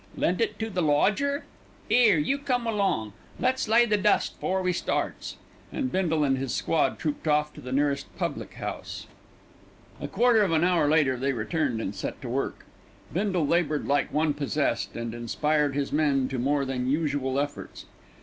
Lent it to the lodger? 'Ere, come along. Let's lay the dust 'fore we starts." And Bindle and his squad trooped off to the nearest public house. A quarter of an hour later they returned and set to work. Bindle laboured like one possessed, and inspired his men to more than usual efforts.